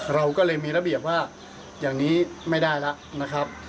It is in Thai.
เราก็เลยมีระเบียบว่าอย่างนี้ไม่ได้แล้วนะครับ